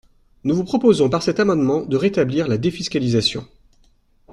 Nous vous proposons par cet amendement de rétablir la défiscalisation.